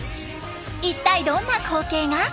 一体どんな光景が？